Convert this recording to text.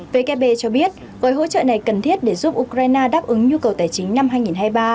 vkp cho biết gói hỗ trợ này cần thiết để giúp ukraine đáp ứng nhu cầu tài chính năm hai nghìn hai mươi ba